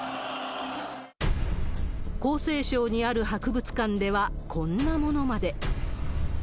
江西省にある博物館では、こんなものまで。